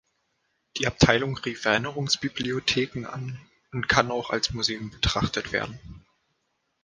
Die Abteilung rief Erinnerungsbibliotheken and und kann auch als Museum betrachtet werden.